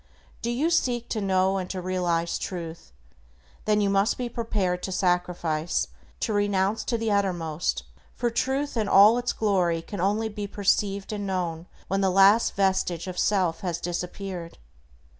Do you seek to know and to realize Truth? Then you must be prepared to sacrifice, to renounce to the uttermost, for Truth in all its glory can only be perceived and known when the last vestige of self has disappeared.